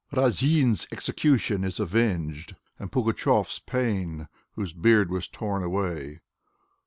Razin's execution is avenged, And Pugachov's pain Whose beard was torn away.